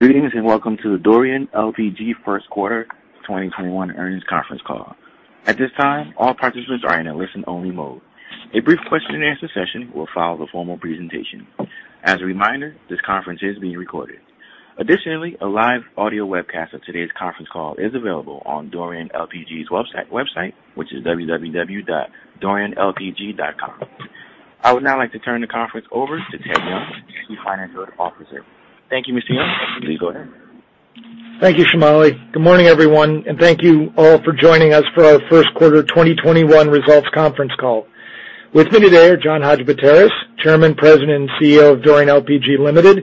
Greetings, and welcome to the Dorian LPG Q1 2021 earnings conference call. At this time, all participants are in a listen-only mode. A brief question and answer session will follow the formal presentation. As a reminder, this conference is being recorded. Additionally, a live audio webcast of today's conference call is available on Dorian LPG's website, which is www.dorianlpg.com. I would now like to turn the conference over to Theodore Young, Chief Financial Officer. Thank you, Mr. Young. Please go ahead. Thank you, Shamali. Good morning, everyone, and thank you all for joining us for our Q1 2021 results conference call. With me today are John Hadjipateras, Chairman, President, and CEO of Dorian LPG Ltd.,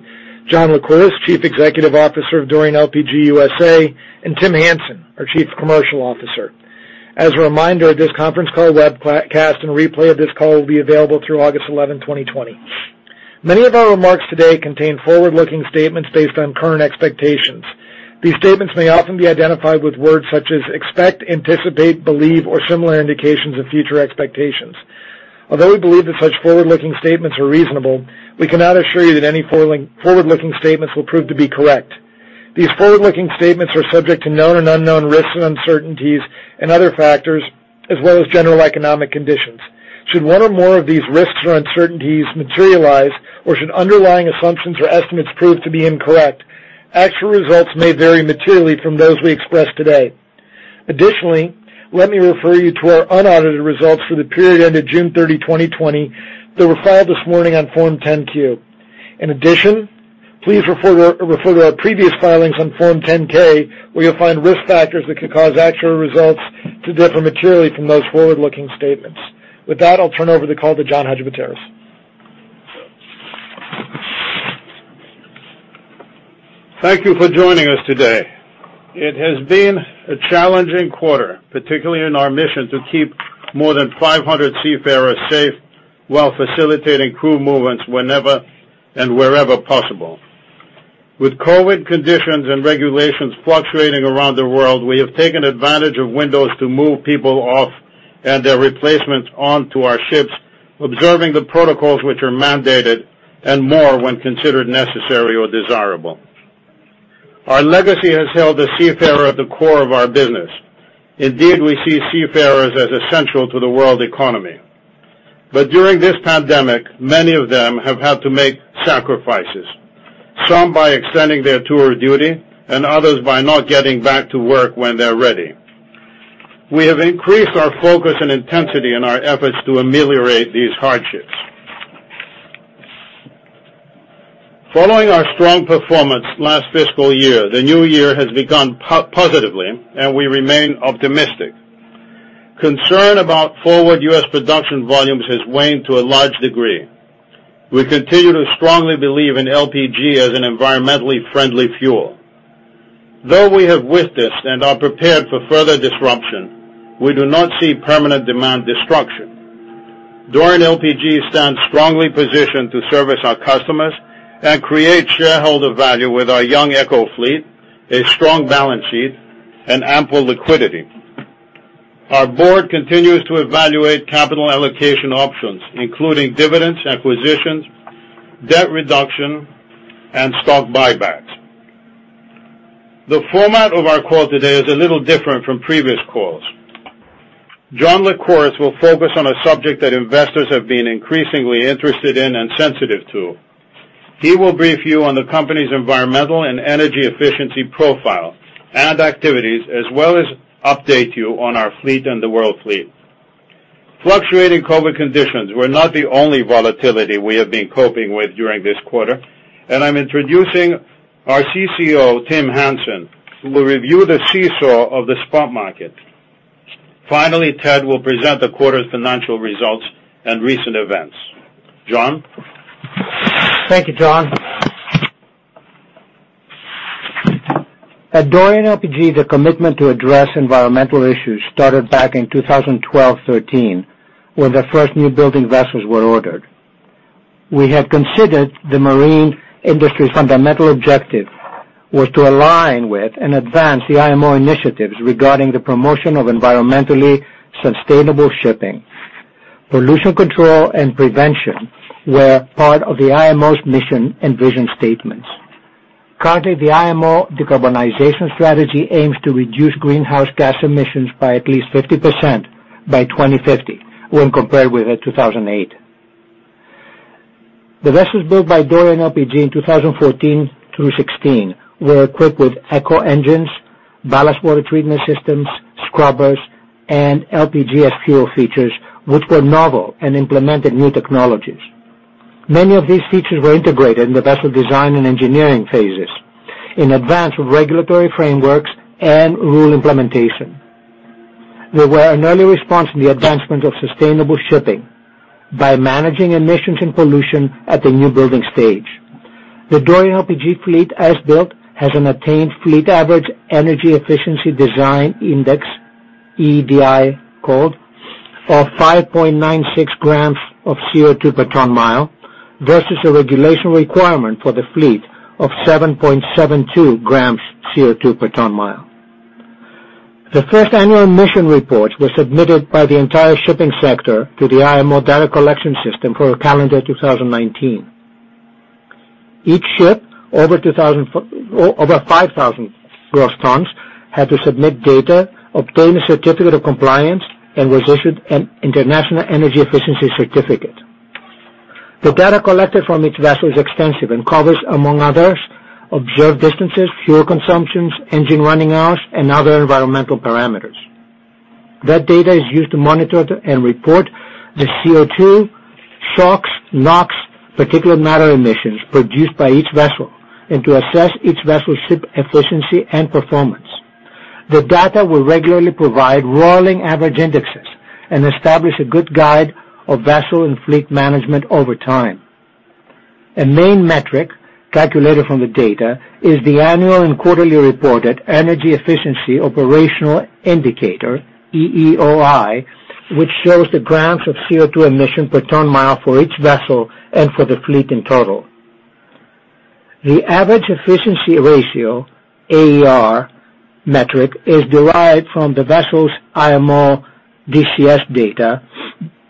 John Lycouris, Chief Executive Officer of Dorian LPG USA, and Tim Hansen, our Chief Commercial Officer. As a reminder, this conference call webcast and replay of this call will be available through August 11, 2020. Many of our remarks today contain forward-looking statements based on current expectations. These statements may often be identified with words such as expect, anticipate, believe, or similar indications of future expectations. Although we believe that such forward-looking statements are reasonable, we cannot assure you that any forward-looking statements will prove to be correct. These forward-looking statements are subject to known and unknown risks and uncertainties and other factors, as well as general economic conditions. Should one or more of these risks or uncertainties materialize or should underlying assumptions or estimates prove to be incorrect, actual results may vary materially from those we express today. Additionally, let me refer you to our unaudited results for the period ending June 30, 2020, that were filed this morning on Form 10-Q. In addition, please refer to our previous filings on Form 10-K, where you'll find risk factors that could cause actual results to differ materially from those forward-looking statements. With that, I'll turn over the call to John Hadjipateras. Thank you for joining us today. It has been a challenging quarter, particularly in our mission to keep more than 500 seafarers safe while facilitating crew movements whenever and wherever possible. With COVID conditions and regulations fluctuating around the world, we have taken advantage of windows to move people off and their replacements onto our ships, observing the protocols which are mandated and more when considered necessary or desirable. Our legacy has held the seafarer at the core of our business. Indeed, we see seafarers as essential to the world economy. During this pandemic, many of them have had to make sacrifices, some by extending their tour of duty and others by not getting back to work when they're ready. We have increased our focus and intensity in our efforts to ameliorate these hardships. Following our strong performance last fiscal year, the new year has begun positively, and we remain optimistic. Concern about forward U.S. production volumes has waned to a large degree. We continue to strongly believe in LPG as an environmentally friendly fuel. Though we have witnessed and are prepared for further disruption, we do not see permanent demand destruction. Dorian LPG stands strongly positioned to service our customers and create shareholder value with our young Eco fleet, a strong balance sheet, and ample liquidity. Our board continues to evaluate capital allocation options, including dividends, acquisitions, debt reduction, and stock buybacks. The format of our call today is a little different from previous calls. John Lycouris will focus on a subject that investors have been increasingly interested in and sensitive to. He will brief you on the company's environmental and energy efficiency profile and activities, as well as update you on our fleet and the world fleet. Fluctuating COVID conditions were not the only volatility we have been coping with during this quarter, and I'm introducing our CCO, Tim Hansen, who will review the seesaw of the spot market. Finally, Ted will present the quarter's financial results and recent events. John? Thank you, John. At Dorian LPG, the commitment to address environmental issues started back in 2012/2013, when the first new building vessels were ordered. We had considered the marine industry's fundamental objective was to align with and advance the IMO initiatives regarding the promotion of environmentally sustainable shipping. Pollution control and prevention were part of the IMO's mission and vision statements. Currently, the IMO decarbonization strategy aims to reduce greenhouse gas emissions by at least 50% by 2050 when compared with 2008. The vessels built by Dorian LPG in 2014 through 2016 were equipped with Eco engines, ballast water treatment systems, scrubbers, and LPG as fuel features, which were novel and implemented new technologies. Many of these features were integrated in the vessel design and engineering phases in advance of regulatory frameworks and rule implementation. They were an early response in the advancement of sustainable shipping by managing emissions and pollution at the new building stage. The Dorian LPG fleet, as built, has an attained fleet average Energy Efficiency Design Index, EEDI called, of 5.96 grams of CO2 per ton mile versus a regulation requirement for the fleet of 7.72 grams CO2 per ton mile. The first annual emissions report was submitted by the entire shipping sector to the IMO Data Collection System for calendar 2019. Each ship over 5,000 gross tons had to submit data, obtain a certificate of compliance, and was issued an international energy efficiency certificate. The data collected from each vessel is extensive and covers, among others, observed distances, fuel consumptions, engine running hours, and other environmental parameters. That data is used to monitor and report the CO2, SOx, NOx, particulate matter emissions produced by each vessel, and to assess each vessel ship efficiency and performance. The data will regularly provide rolling average indexes and establish a good guide of vessel and fleet management over time. A main metric calculated from the data is the annual and quarterly reported Energy Efficiency Operational Indicator, EEOI, which shows the grams of CO2 emission per ton mile for each vessel and for the fleet in total. The average efficiency ratio, AER metric, is derived from the vessel's IMO DCS data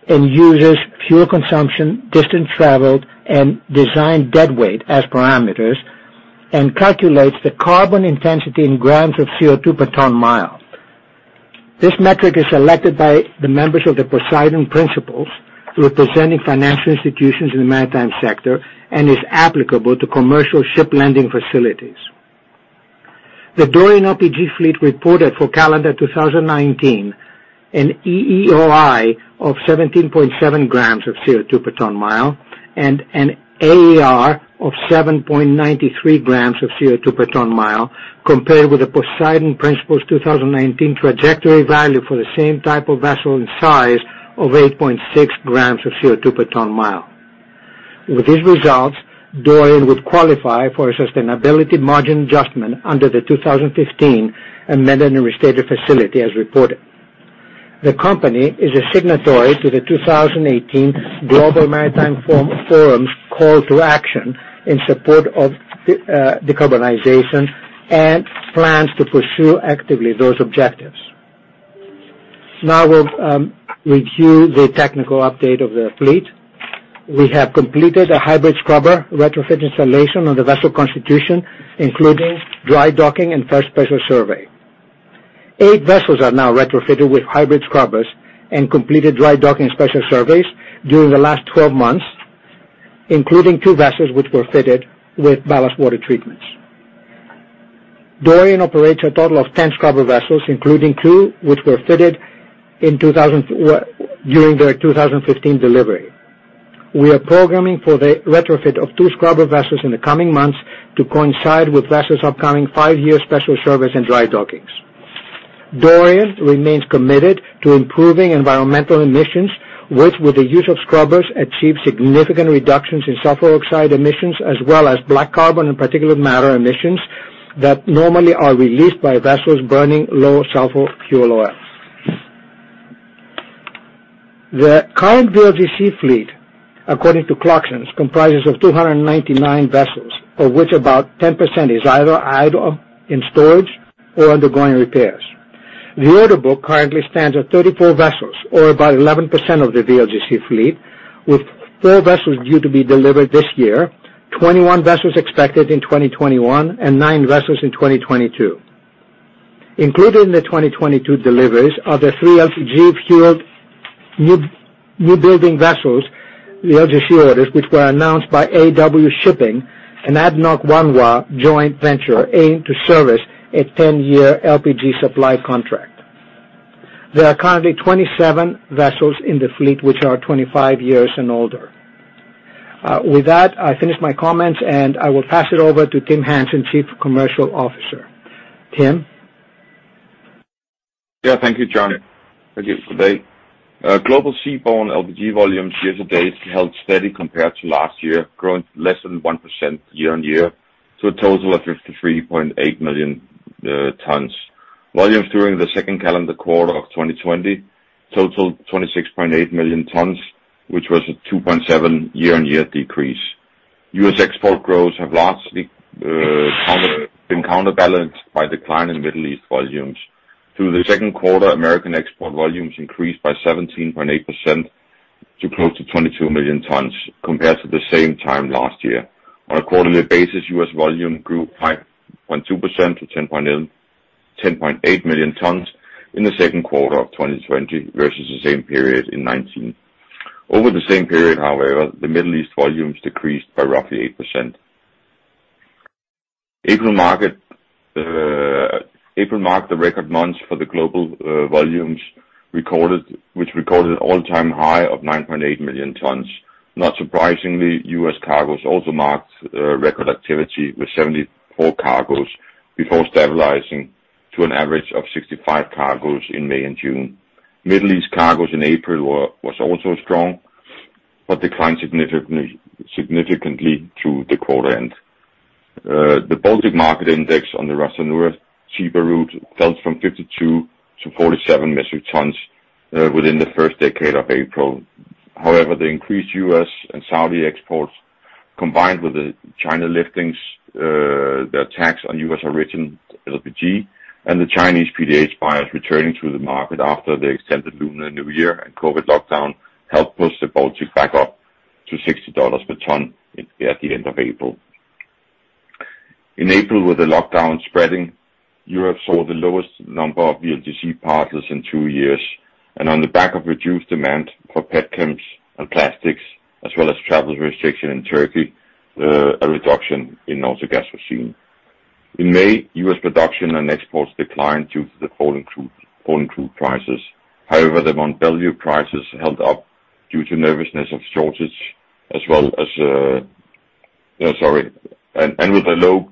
and uses fuel consumption, distance traveled, and design deadweight as parameters, and calculates the carbon intensity in grams of CO2 per ton mile. This metric is selected by the members of the Poseidon Principles, representing financial institutions in the maritime sector and is applicable to commercial ship lending facilities. The Dorian LPG fleet reported for calendar 2019 an EEOI of 17.7 grams of CO2 per ton mile and an AER of 7.93 grams of CO2 per ton mile, compared with the Poseidon Principles 2019 trajectory value for the same type of vessel and size of 8.6 grams of CO2 per ton mile. With these results, Dorian would qualify for a sustainability margin adjustment under the 2015 Amended and Restated Facility as reported. The company is a signatory to the 2018 Global Maritime Forum's call to action in support of decarbonization and plans to pursue actively those objectives. We'll review the technical update of the fleet. We have completed a hybrid scrubber retrofit installation on the vessel Constitution, including dry docking and first special survey. Eight vessels are now retrofitted with hybrid scrubbers and completed dry docking special surveys during the last 12 months, including two vessels which were fitted with ballast water treatments. Dorian operates a total of 10 scrubber vessels, including two which were fitted during their 2015 delivery. We are programming for the retrofit of two scrubber vessels in the coming months to coincide with vessels' upcoming five-year special service and dry dockings. Dorian remains committed to improving environmental emissions, which with the use of scrubbers achieve significant reductions in sulfur oxide emissions as well as black carbon and particulate matter emissions that normally are released by vessels burning low sulfur fuel oil. The current VLGC fleet, according to Clarksons, comprises of 299 vessels, of which about 10% is either idle in storage or undergoing repairs. The order book currently stands at 34 vessels or about 11% of the VLGC fleet, with four vessels due to be delivered this year, 21 vessels expected in 2021, and nine vessels in 2022. Included in the 2022 deliveries are the three LPG fueled new building vessels VLGC orders, which were announced by AW Shipping and ADNOC, one joint venture aimed to service a 10-year LPG supply contract. There are currently 27 vessels in the fleet which are 25 years and older. With that, I finish my comments, and I will pass it over to Tim Hansen, Chief Commercial Officer. Tim. Yeah, thank you, John. Thank you for today. Global seaborne LPG volumes year to date held steady compared to last year, growing less than 1% year-on-year to a total of 53.8 million tons. Volumes during the second calendar quarter of 2020 totaled 26.8 million tons, which was a 2.7% year-on-year decrease. U.S. export growth has largely been counterbalanced by decline in Middle East volumes. Through the Q2, American export volumes increased by 17.8% to close to 22 million tons compared to the same time last year. On a quarterly basis, U.S. volume grew 5.2% to 10.8 million tons in the Q2 of 2020 versus the same period in 2019. Over the same period, however, the Middle East volumes decreased by roughly 8%. April marked the record month for the global volumes which recorded an all-time high of 9.8 million tons. Not surprisingly, U.S. cargos also marked record activity with 74 cargos before stabilizing to an average of 65 cargos in May and June. Middle East cargos in April were also strong but declined significantly through the quarter end. The Baltic market index on the Ras Tanura cheaper route fell from 52-47 metric tons within the first decade of April. The increased U.S. and Saudi exports combined with the China liftings, the tax on U.S. origin LPG, and the Chinese PDH buyers returning to the market after the extended Lunar New Year and COVID lockdown helped push the Baltic back up to $60 per ton at the end of April. In April, with the lockdown spreading, Europe saw the lowest number of VLGC parcels in two years, on the back of reduced demand for petchems and plastics, as well as travel restriction in Turkey, a reduction in Autogas was seen. In May, U.S. production and exports declined due to the falling crude prices. However, the Mont Belvieu prices held up due to nervousness of shortage. With the low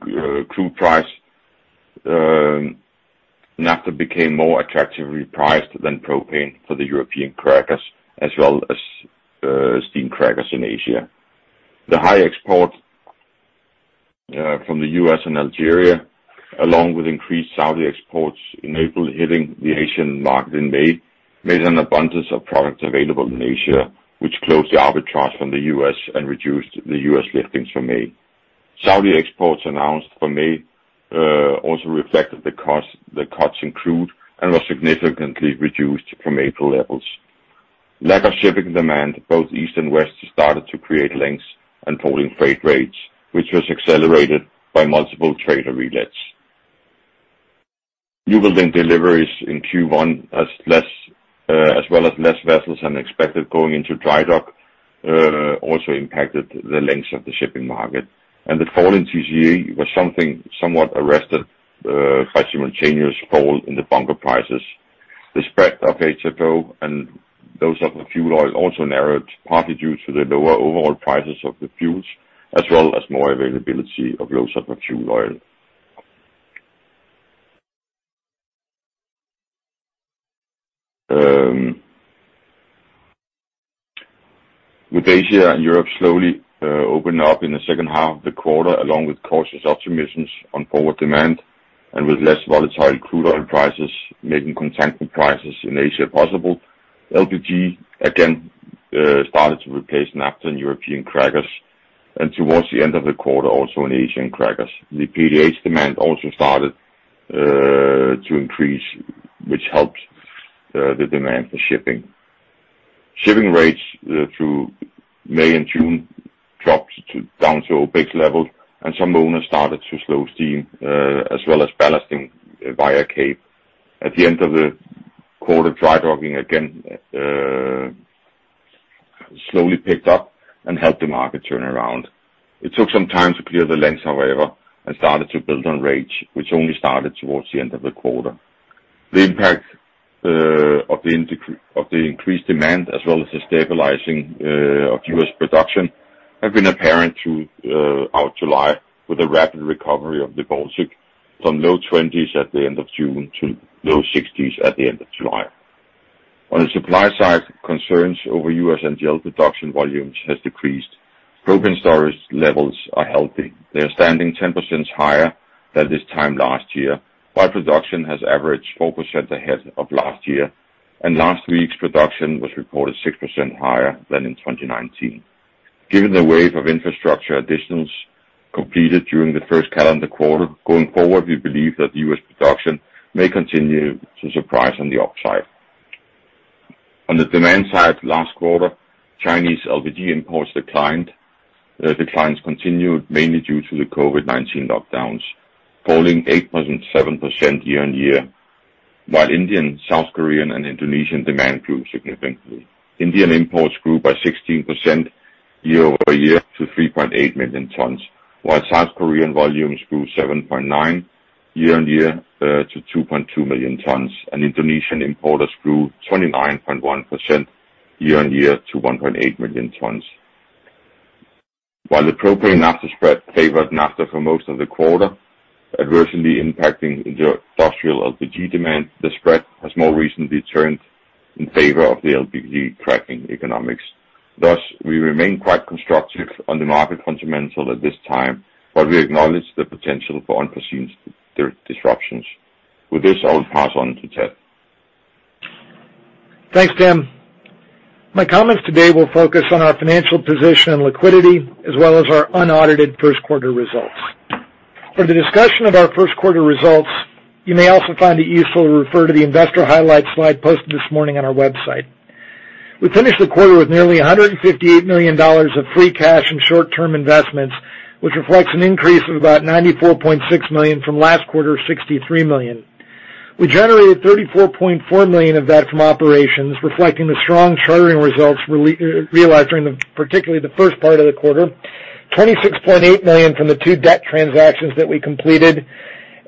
crude price, Naphtha became more attractively priced than propane for the European crackers as well as steam crackers in Asia. The high export from the U.S. and Algeria, along with increased Saudi exports in April, hitting the Asian market in May, made an abundance of products available in Asia, which closed the arbitrage from the U.S. and reduced the U.S. liftings for May. Saudi exports announced for May also reflected the cuts in crude and was significantly reduced from April levels. Lack of shipping demand, both East and West, started to create lengths and falling freight rates, which was accelerated by multiple traders relets. New building deliveries in Q1, as well as less vessels than expected going into dry dock, also impacted the lengths of the shipping market, and the fall in TCE was somewhat arrested by simultaneous fall in the bunker prices. The spread of HFO and low sulfur fuel oil also narrowed, partly due to the lower overall prices of the fuels, as well as more availability of low sulfur fuel oil. With Asia and Europe slowly opening up in the H2 of the quarter, along with cautious optimisms on forward demand and with less volatile crude oil prices making competitive prices in Asia possible, LPG again started to replace Naphtha in European crackers, and towards the end of the quarter, also in Asian crackers. The PDH demand also started to increase, which helped the demand for shipping. Shipping rates through May and June dropped down to OpEx levels, and some owners started to slow steam, as well as ballasting via Cape. At the end of the quarter, dry docking again slowly picked up and helped the market turn around. It took some time to clear the lengths, however, and started to build on rates, which only started towards the end of the quarter. The impact of the increased demand as well as the stabilizing of U.S. production have been apparent throughout July with a rapid recovery of the Baltic from low 20s at the end of June to low 60s at the end of July. On the supply side, concerns over U.S. NGL production volumes have decreased. Propane storage levels are healthy. They're standing 10% higher than this time last year, while production has averaged 4% ahead of last year, and last week's production was reported 6% higher than in 2019. Given the wave of infrastructure additions completed during the first calendar quarter, going forward, we believe that U.S. production may continue to surprise on the upside. On the demand side last quarter, Chinese LPG imports declined. The declines continued mainly due to the COVID-19 lockdowns, falling 8.7% year-on-year, while Indian, South Korean, and Indonesian demand grew significantly. Indian imports grew by 16% year-over-year to 3.8 million tons, while South Korean volumes grew 7.9% year-on-year to 2.2 million tons, and Indonesian importers grew 29.1% year-on-year to 1.8 million tons. While the propane Naphtha spread favored Naphtha for most of the quarter, adversely impacting industrial LPG demand, the spread has more recently turned in favor of the LPG cracking economics. We remain quite constructive on the market fundamental at this time, but we acknowledge the potential for unforeseen disruptions. I will pass on to Ted. Thanks, Tim. My comments today will focus on our financial position and liquidity, as well as our unaudited Q1 results. For the discussion of our Q1 results, you may also find it useful to refer to the investor highlight slide posted this morning on our website. We finished the quarter with nearly $158 million of free cash and short-term investments, which reflects an increase of about $94.6 million from last quarter's $63 million. We generated $34.4 million of that from operations, reflecting the strong chartering results realized during particularly the first part of the quarter, $26.8 million from the two debt transactions that we completed,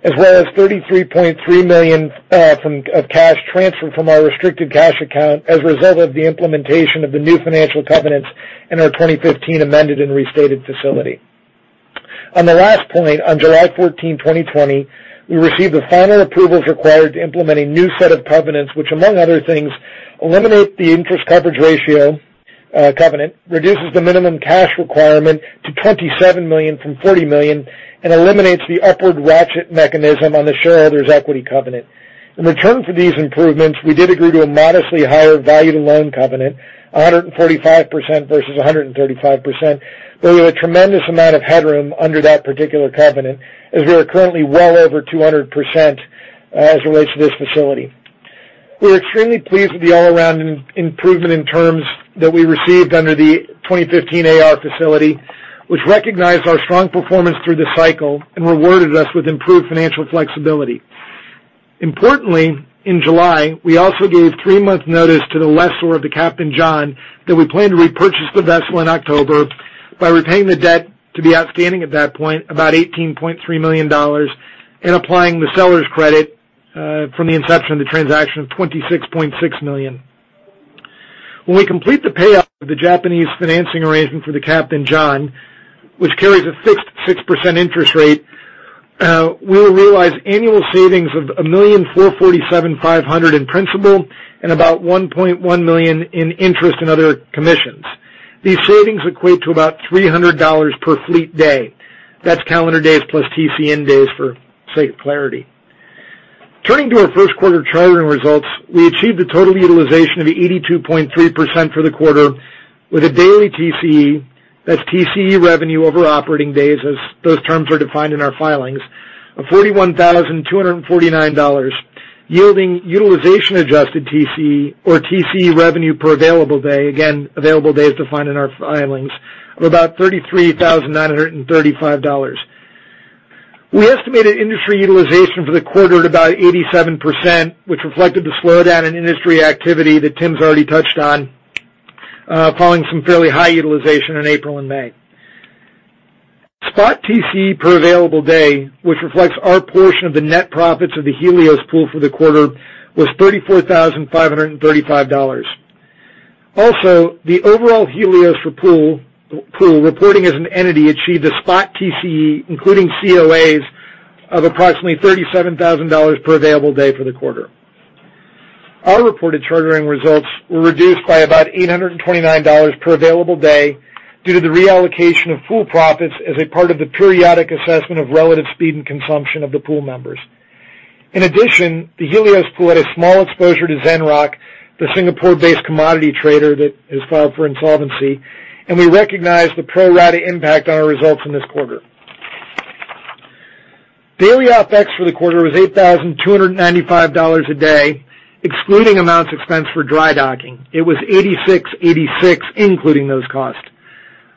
as well as $33.3 million of cash transferred from our restricted cash account as a result of the implementation of the new financial covenants in our 2015 Amended and Restated Facility. On the last point, on July 14, 2020, we received the final approvals required to implement a new set of covenants, which among other things, eliminate the interest coverage ratio covenant, reduces the minimum cash requirement to $27 million from $40 million, and eliminates the upward ratchet mechanism on the shareholders' equity covenant. In return for these improvements, we did agree to a modestly higher value-to-loan covenant, 145% versus 135%, but with a tremendous amount of headroom under that particular covenant, as we are currently well over 200% as it relates to this facility. We are extremely pleased with the all-around improvement in terms that we received under the 2015 AR Facility, which recognized our strong performance through the cycle and rewarded us with improved financial flexibility. Importantly, in July, we also gave three-month notice to the lessor of the Captain John P. that we plan to repurchase the vessel in October by repaying the debt to be outstanding at that point, about $18.3 million, and applying the seller's credit from the inception of the transaction of $26.6 million. When we complete the payoff of the Japanese financing arrangement for the Captain John P., which carries a fixed 6% interest rate, we will realize annual savings of $1,447,500 in principal and about $1.1 million in interest and other commissions. These savings equate to about $300 per fleet day. That's calendar days plus TC-in days, for sake of clarity. Turning to our Q1 chartering results, we achieved a total utilization of 82.3% for the quarter with a daily TCE, that's TCE revenue over operating days, as those terms are defined in our filings, of $41,249, yielding utilization-adjusted TCE or TCE revenue per available day, again, available day is defined in our filings, of about $33,935. We estimated industry utilization for the quarter at about 87%, which reflected the slowdown in industry activity that Tim's already touched on, following some fairly high utilization in April and May. Spot TCE per available day, which reflects our portion of the net profits of the Helios pool for the quarter, was $34,535. Also, the overall Helios pool reporting as an entity achieved a spot TCE, including COAs, of approximately $37,000 per available day for the quarter. Our reported chartering results were reduced by $829 per available day due to the reallocation of pool profits as a part of the periodic assessment of relative speed and consumption of the pool members. In addition, the Helios LPG Pool had a small exposure to ZenRock, the Singapore-based commodity trader that has filed for insolvency, and we recognize the pro rata impact on our results in this quarter. Daily OpEx for the quarter was $8,295 a day, excluding amounts expensed for dry docking. It was $8,686, including those costs.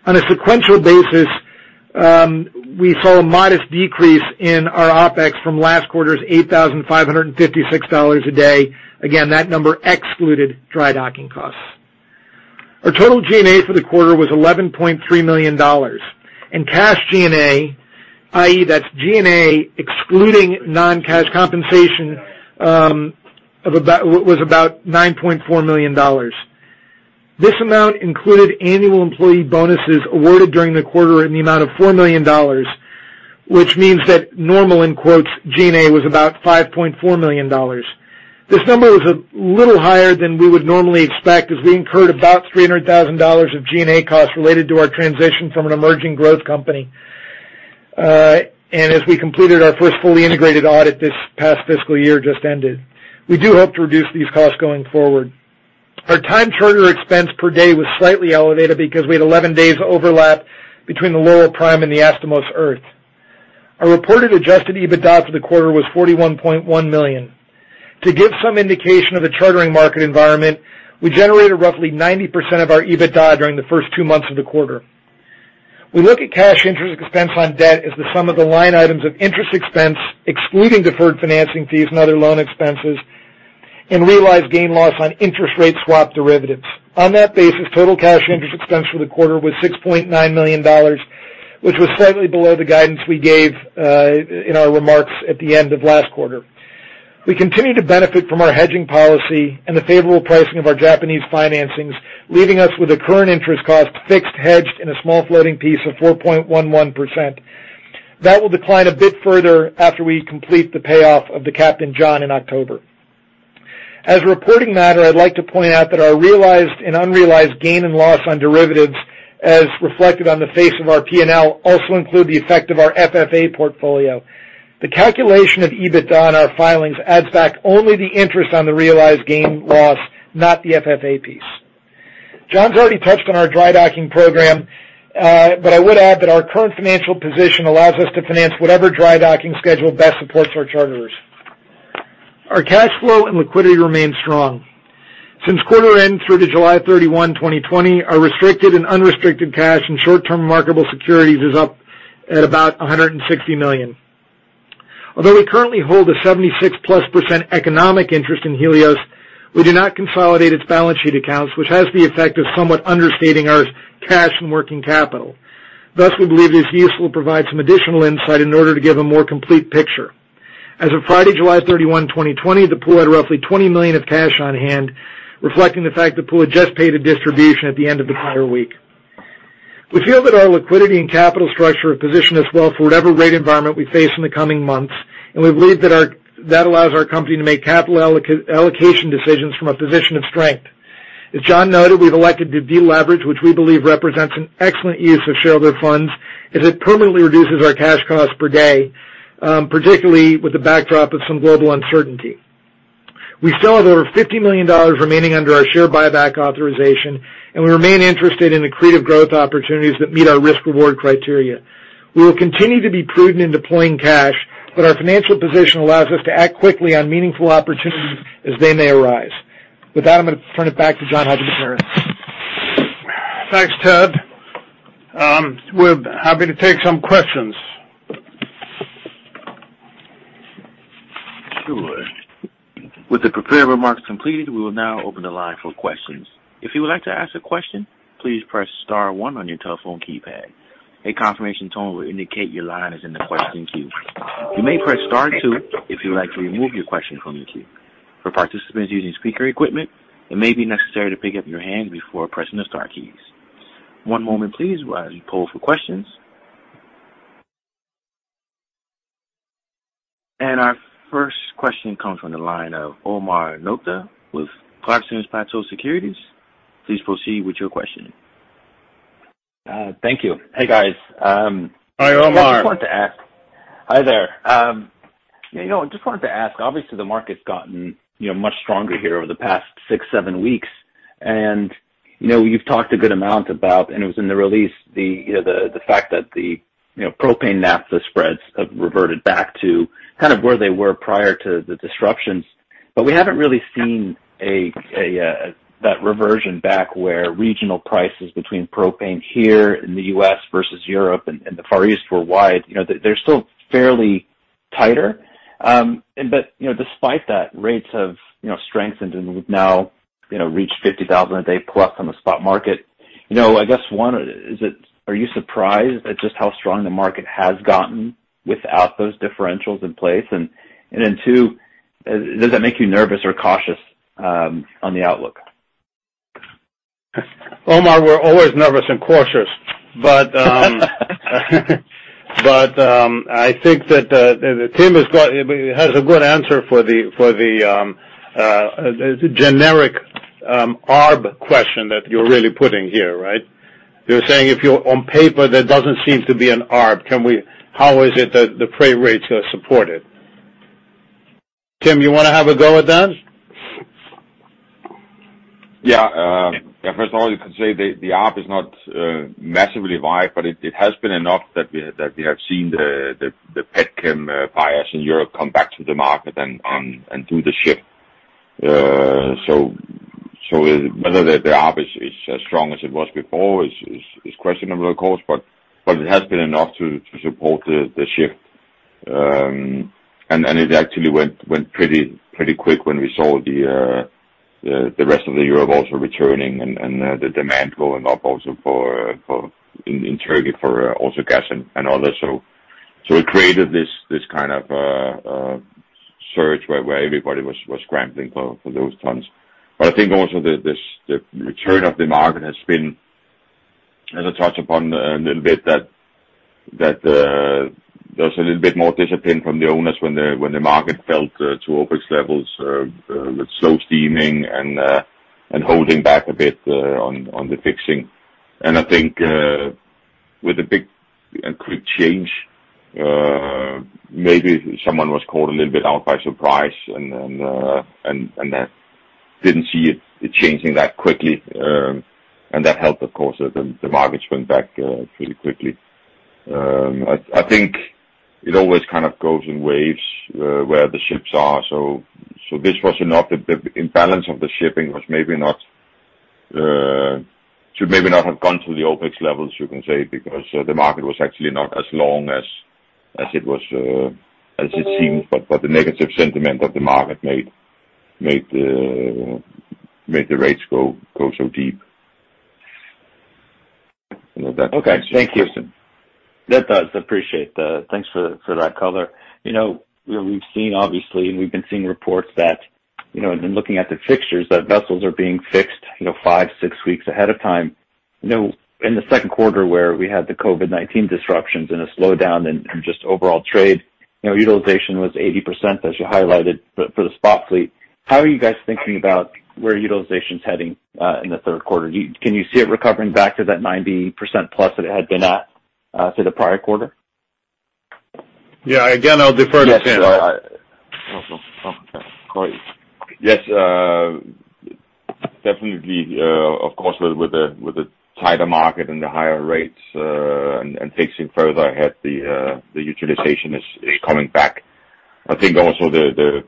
On a sequential basis, we saw a modest decrease in our OpEx from last quarter's $8,556 a day. Again, that number excluded dry docking costs. Our total G&A for the quarter was $11.3 million, and cash G&A, i.e., that's G&A excluding non-cash compensation was $9.4 million. This amount included annual employee bonuses awarded during the quarter in the amount of $4 million, which means that normal, in quotes, G&A was about $5.4 million. This number was a little higher than we would normally expect as we incurred about $300,000 of G&A costs related to our transition from an emerging growth company, and as we completed our first fully integrated audit this past fiscal year just ended. We do hope to reduce these costs going forward. Our time charter expense per day was slightly elevated because we had 11 days overlap between the Laurel Prime and the Astomos Earth. Our reported adjusted EBITDA for the quarter was $41.1 million. To give some indication of the chartering market environment, we generated roughly 90% of our EBITDA during the first two months of the quarter. We look at cash interest expense on debt as the sum of the line items of interest expense, excluding deferred financing fees and other loan expenses, and realized gain/loss on interest rate swap derivatives. On that basis, total cash interest expense for the quarter was $6.9 million, which was slightly below the guidance we gave in our remarks at the end of last quarter. We continue to benefit from our hedging policy and the favorable pricing of our Japanese financings, leaving us with a current interest cost fixed hedged in a small floating piece of 4.11%. That will decline a bit further after we complete the payoff of the Captain John in October. As a reporting matter, I'd like to point out that our realized and unrealized gain and loss on derivatives as reflected on the face of our P&L also include the effect of our FFA portfolio. The calculation of EBITDA in our filings adds back only the interest on the realized gain/loss, not the FFA piece. John's already touched on our dry docking program, but I would add that our current financial position allows us to finance whatever dry docking schedule best supports our charterers. Our cash flow and liquidity remain strong. Since quarter end through to July 31, 2020, our restricted and unrestricted cash and short-term marketable securities is up at about $160 million. Although we currently hold a 76-plus% economic interest in Helios, we do not consolidate its balance sheet accounts, which has the effect of somewhat understating our cash and working capital. Thus, we believe it is useful to provide some additional insight in order to give a more complete picture. As of Friday, July 31, 2020, the pool had roughly $20 million of cash on hand, reflecting the fact the pool had just paid a distribution at the end of the prior week. We feel that our liquidity and capital structure position us well for whatever rate environment we face in the coming months, and we believe that allows our company to make capital allocation decisions from a position of strength. As John noted, we've elected to deleverage, which we believe represents an excellent use of shareholder funds, as it permanently reduces our cash costs per day, particularly with the backdrop of some global uncertainty. We still have over $50 million remaining under our share buyback authorization, and we remain interested in accretive growth opportunities that meet our risk-reward criteria. We will continue to be prudent in deploying cash. Our financial position allows us to act quickly on meaningful opportunities as they may arise. With that, I'm going to turn it back to John Hadjipateras. Thanks, Ted. We're happy to take some questions. Sure. With the prepared remarks completed, we will now open the line for questions. If you would like to ask a question, please press star one on your telephone keypad. A confirmation tone will indicate your line is in the questioning queue. You may press star two if you would like to remove your question from the queue. For participants using speaker equipment, it may be necessary to pick up your hand before pressing the star keys. One moment, please, while we poll for questions. Our first question comes from the line of Omar Nokta with Clarksons Platou Securities. Please proceed with your questioning. Thank you. Hey, guys. Hi, Omar. I just wanted to ask. Hi there. I just wanted to ask, obviously, the market's gotten much stronger here over the past six, seven weeks, and you've talked a good amount about, and it was in the release, the fact that the propane naphtha spreads have reverted back to where they were prior to the disruptions. We haven't really seen that reversion back where regional prices between propane here in the U.S. versus Europe and the Far East were wide. They're still fairly tighter. Despite that, rates have strengthened and we've now reached $50,000 a day plus on the spot market. I guess, one, are you surprised at just how strong the market has gotten without those differentials in place? Then two, does that make you nervous or cautious on the outlook? Omar, we're always nervous and cautious. I think that Tim has a good answer for the generic arb question that you're really putting here, right? You're saying if you're on paper, there doesn't seem to be an arb. How is it that the freight rates are supported? Tim, you want to have a go at that? Yeah. First of all, you can say the arb is not massively wide, but it has been enough that we have seen the petchem buyers in Europe come back to the market and do the ship. Whether the arb is as strong as it was before is questionable, of course, but it has been enough to support the ship. It actually went pretty quick when we saw the rest of Europe also returning and the demand going up also in Turkey for Autogas and others. It created this kind of surge where everybody was scrambling for those tons. I think also the return of the market has been, as I touched upon a little bit, that there was a little bit more discipline from the owners when the market fell to OpEx levels, with slow steaming and holding back a bit on the fixing. I think with a big and quick change, maybe someone was caught a little bit out by surprise and then didn't see it changing that quickly. That helped, of course, the markets went back pretty quickly. I think it always kind of goes in waves where the ships are. This was enough. The imbalance of the shipping should maybe not have gone to the OpEx levels, you can say, because the market was actually not as long as it seemed. The negative sentiment of the market made the rates go so deep. I don't know if that answers your question. Okay. Thank you. That does. Appreciate that. Thanks for that color. We've seen, obviously, and we've been seeing reports that, and then looking at the fixtures, that vessels are being fixed five, six weeks ahead of time. In the Q2, where we had the COVID-19 disruptions and a slowdown in just overall trade, utilization was 80%, as you highlighted, for the spot fleet. How are you guys thinking about where utilization's heading in the Q3? Can you see it recovering back to that 90% plus that it had been at for the prior quarter? Yeah. Again, I'll defer to Tim. Yes. Definitely, of course, with the tighter market and the higher rates, and fixing further ahead, the utilization is coming back. I think also the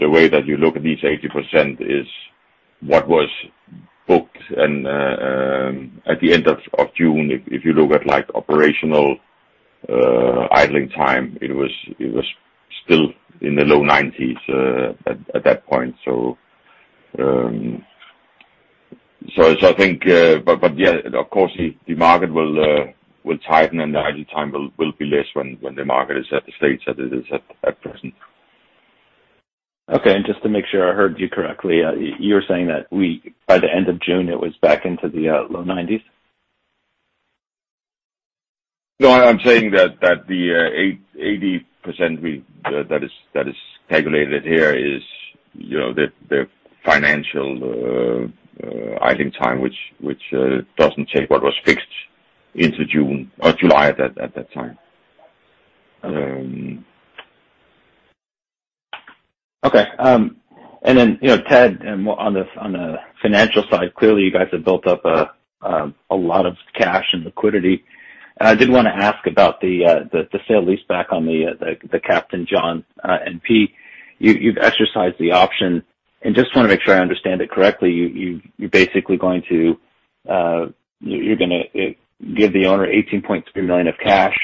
way that you look at this 80% is what was booked at the end of June. If you look at operational idling time, it was still in the low 90s at that point. Yeah, of course, the market will tighten, and the idle time will be less when the market is at the stage that it is at present. Okay. Just to make sure I heard you correctly, you're saying that by the end of June, it was back into the low nineties? No, I'm saying that the 80% that is calculated here is the financial idling time, which doesn't take what was fixed into June or July at that time. Okay. Ted, on the financial side, clearly you guys have built up a lot of cash and liquidity. I did want to ask about the sale lease back on the Captain John P. You've exercised the option, just want to make sure I understand it correctly. You're going to give the owner $18.3 million of cash.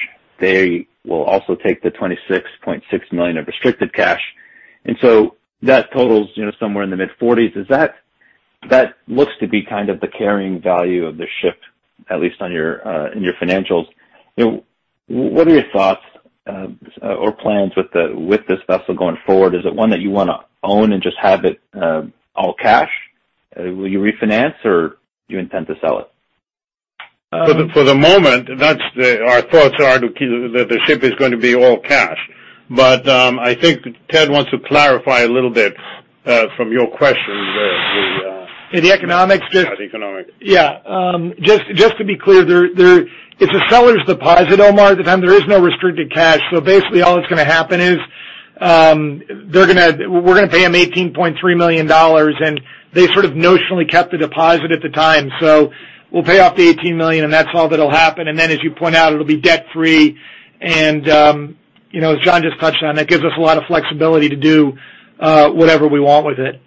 They will also take the $26.6 million of restricted cash. That totals somewhere in the mid-40s. That looks to be kind of the carrying value of the ship, at least in your financials. What are your thoughts or plans with this vessel going forward? Is it one that you want to own and just have it all cash? Will you refinance or do you intend to sell it? For the moment, our thoughts are that the ship is going to be all cash. I think Ted wants to clarify a little bit from your question there. The economics. The economics. Just to be clear, it's a seller's deposit, Omar. There is no restricted cash. Basically all that's going to happen is we're going to pay him $18.3 million, and they sort of notionally kept the deposit at the time. We'll pay off the $18 million, and that's all that'll happen. As you point out, it'll be debt-free and, as John just touched on, that gives us a lot of flexibility to do whatever we want with it.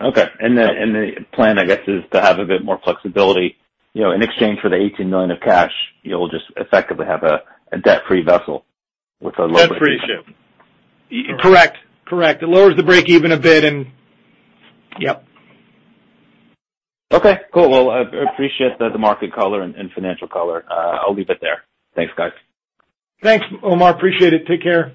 Okay. The plan, I guess, is to have a bit more flexibility. In exchange for the $18 million of cash, you'll just effectively have a debt-free vessel with a lower- Debt-free ship. Correct. It lowers the break even a bit. Yep. Okay, cool. I appreciate the market color and financial color. I'll leave it there. Thanks, guys. Thanks, Omar, appreciate it. Take care.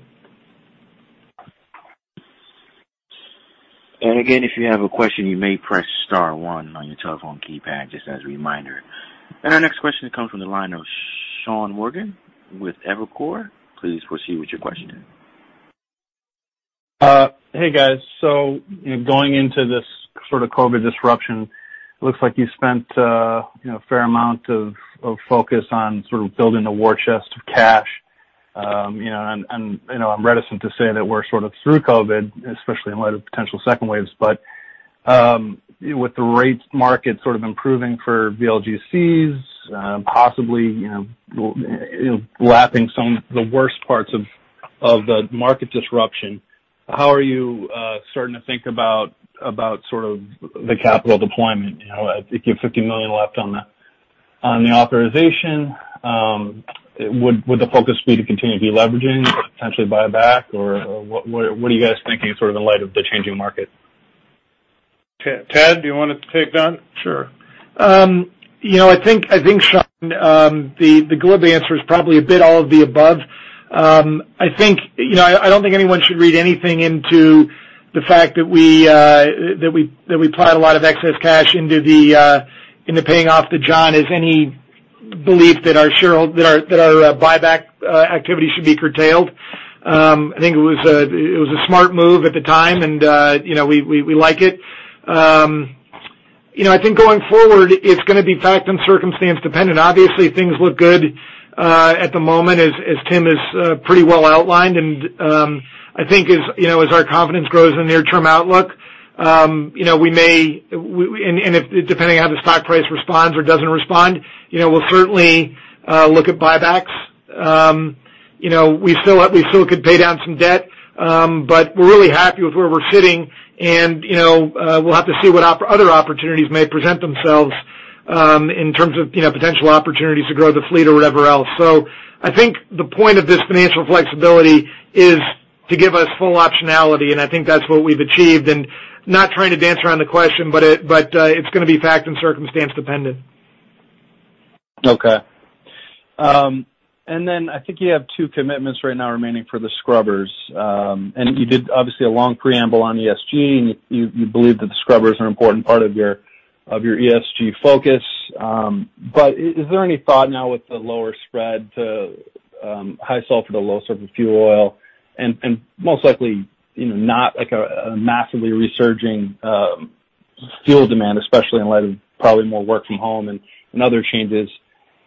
Again, if you have a question, you may press star one on your telephone keypad, just as a reminder. Our next question comes from the line of Sean Morgan with Evercore. Please proceed with your question. Hey, guys. Going into this sort of COVID disruption, it looks like you spent a fair amount of focus on sort of building the war chest of cash. I'm reticent to say that we're sort of through COVID, especially in light of potential second waves. With the rates market sort of improving for VLGCs, possibly lapping some of the worst parts of the market disruption, how are you starting to think about sort of the capital deployment? You have $50 million left on the authorization. Would the focus be to continue de-leveraging, potentially buyback, or what are you guys thinking sort of in light of the changing market? Ted, do you want to take that? Sure. I think, Sean, the global answer is probably a bit all of the above. I don't think anyone should read anything into the fact that we applied a lot of excess cash into paying off the John as any belief that our buyback activity should be curtailed. I think it was a smart move at the time, and we like it. I think going forward, it's going to be fact and circumstance dependent. Obviously, things look good at the moment as Tim has pretty well outlined, and I think as our confidence grows in the near-term outlook and depending on how the stock price responds or doesn't respond, we'll certainly look at buybacks. We still could pay down some debt. We're really happy with where we're sitting, and we'll have to see what other opportunities may present themselves in terms of potential opportunities to grow the fleet or whatever else. I think the point of this financial flexibility is to give us full optionality, and I think that's what we've achieved. Not trying to dance around the question, but it's going to be fact and circumstance dependent. Okay. I think you have two commitments right now remaining for the scrubbers. You did obviously a long preamble on ESG, and you believe that the scrubbers are an important part of your ESG focus. Is there any thought now with the lower spread to high sulfur to low sulfur fuel oil and most likely not like a massively resurging fuel demand, especially in light of probably more work from home and other changes.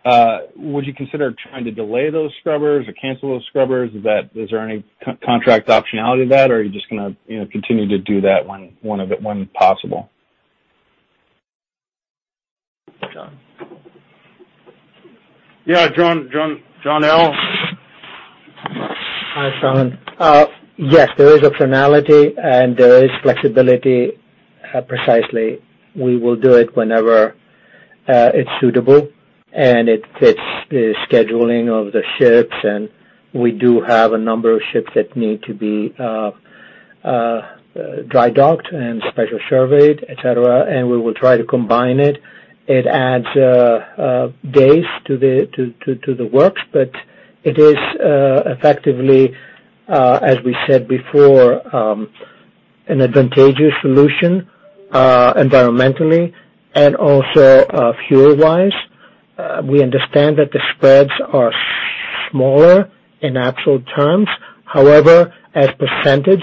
Would you consider trying to delay those scrubbers or cancel those scrubbers? Is there any contract optionality to that or are you just going to continue to do that when possible? John. Yeah, John L. Hi, Sean. Yes, there is optionality and there is flexibility. Precisely, we will do it whenever it's suitable and it fits the scheduling of the ships, and we do have a number of ships that need to be dry docked and special surveyed, et cetera, and we will try to combine it. It adds days to the works. It is effectively, as we said before, an advantageous solution environmentally and also fuel-wise. We understand that the spreads are smaller in absolute terms. As percentage,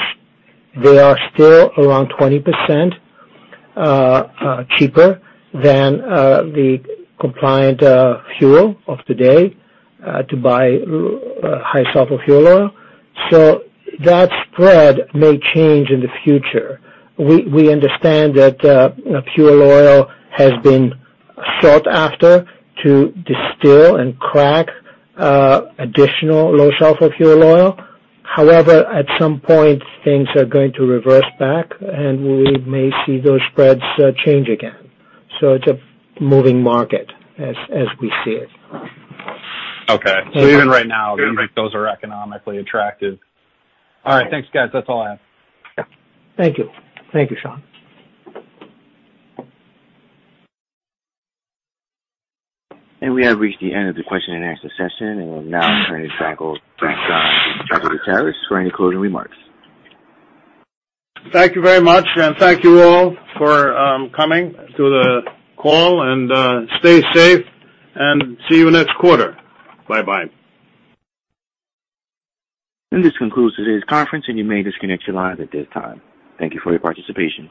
they are still around 20% cheaper than the compliant fuel of today to buy high sulfur fuel oil. That spread may change in the future. We understand that fuel oil has been sought after to distill and crack additional low sulfur fuel oil. At some point, things are going to reverse back, and we may see those spreads change again. It's a moving market as we see it. Okay. Even right now, you think those are economically attractive. All right. Thanks, guys. That is all I have. Yeah. Thank you. Thank you, Sean. We have reached the end of the question-and-answer session, and we'll now turn it back over to John Hadjipateras for any closing remarks. Thank you very much. Thank you all for coming to the call. Stay safe. See you next quarter. Bye-bye. This concludes today's conference, and you may disconnect your lines at this time. Thank you for your participation.